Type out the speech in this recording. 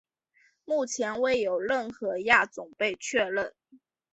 目前未有任何亚种被确认。